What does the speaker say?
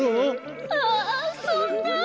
ああそんな。